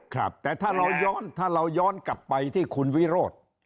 ครับแต่ถ้าเราย้อนกลับไปที่คุณวิโรธ